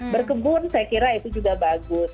berkebun saya kira itu juga bagus